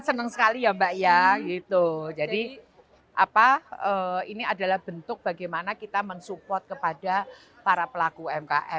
senang sekali ya mbak ya gitu jadi ini adalah bentuk bagaimana kita mensupport kepada para pelaku umkm